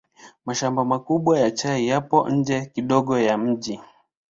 Mashamba makubwa ya chai yapo nje kidogo ya mji.